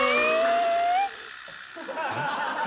え！